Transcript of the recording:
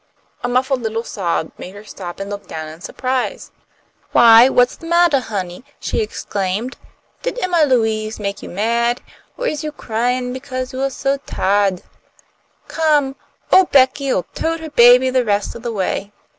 A muffled little sob made her stop and look down in surprise. "Why, what's the mattah, honey?" she exclaimed. "Did Emma Louise make you mad? Or is you cryin' 'cause you're so ti'ed? Come! Ole Becky'll tote her baby the rest of the way."